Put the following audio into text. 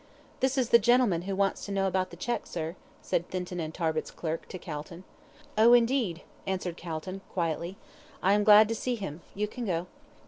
"This is the gentleman who wants to know about the cheque, sir," said Thinton and Tarbit's clerk to Calton. "Oh, indeed," answered Calton, quietly. "I am glad to see him; you can go."